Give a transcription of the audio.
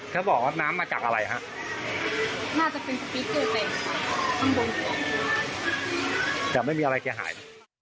แต่ไม่มีอะไรเกลียดหาย